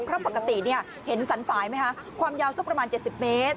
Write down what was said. เพราะปกติเนี่ยเห็นสันฝ่ายไหมคะความยาวสักประมาณเจ็ดสิบเมตร